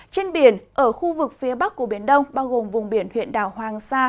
trên biển ở khu vực phía bắc của biển đông bao gồm vùng biển huyện đảo hoàng sa